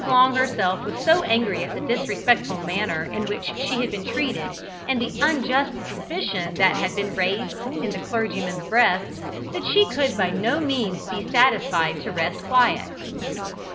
Long herself was so angry at the disrespectful manner in which she had been treated, and the unjust suspicion that had been raised in the clergyman's breast, that she could by no means be satisfied to rest quiet.